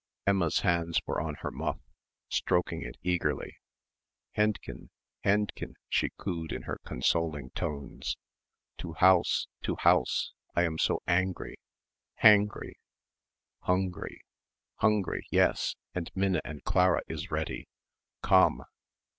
Emma's hands were on her muff, stroking it eagerly. "Hendchen, Hendchen," she cooed in her consoling tones, "to house to house, I am so angry hangry." "Hungry." "Hungry, yes, and Minna and Clara is ready. Komm!"